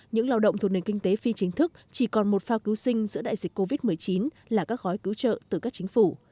những lao động thuộc nền kinh tế phi chính thức chỉ còn một phao cứu sinh giữa đại dịch covid một mươi chín là các gói cứu trợ từ các chính phủ